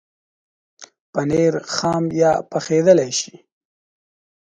پنېر خام یا پخېدلای شي.